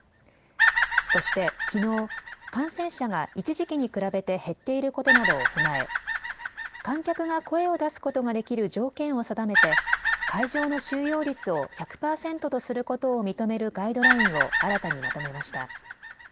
そしてきのう感染者者が一時期に比べて減っていることなどを踏まえ観客が声を出すことができる条件を定めて会場の収容率を１００％とすることを認めるガイドラインを新たにまとめました。